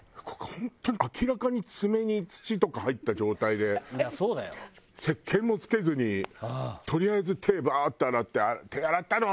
本当に明らかに爪に土とか入った状態でせっけんも付けずにとりあえず手バーッて洗って「手洗ったの？」